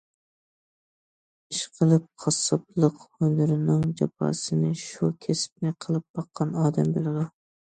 ئىشقىلىپ قاسساپلىق ھۈنىرىنىڭ جاپاسىنى شۇ كەسىپنى قىلىپ باققان ئادەم بىلىدۇ.